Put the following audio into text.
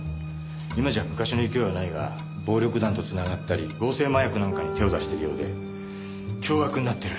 今じゃ昔の勢いはないが暴力団とつながったり合成麻薬なんかに手を出してるようで凶悪になってる。